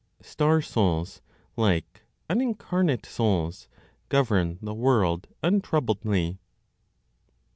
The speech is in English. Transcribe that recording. STAR SOULS, LIKE UNINCARNATE SOULS, GOVERN THE WORLD UNTROUBLEDLY.